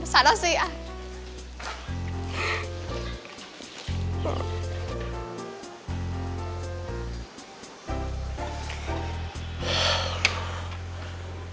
besar lo sih